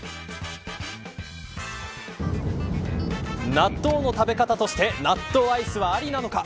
納豆の食べ方として納豆アイスはありなのか。